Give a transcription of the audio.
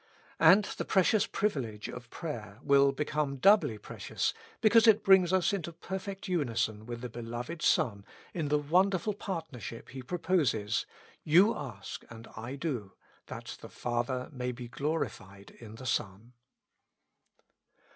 And the precious privilege of prayer will become doubly precious because it brings us into perfect unison with the Beloved Son in the wonderful partnership He proposes :" Vou ask, and I do, that the Father may be glorified in the Son."